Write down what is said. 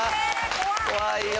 怖いよ。